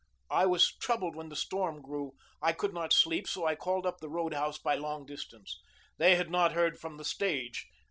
I was troubled when the storm grew. I could not sleep. So I called up the roadhouse by long distance. They had not heard from the stage.